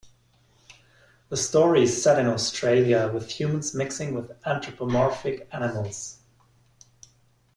The story is set in Australia with humans mixing with anthropomorphic animals.